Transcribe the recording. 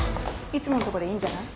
いつものとこでいいんじゃない。